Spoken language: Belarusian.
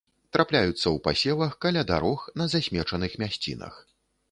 Трапляюцца ў пасевах, каля дарог, на засмечаных мясцінах.